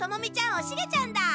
おシゲちゃんだ。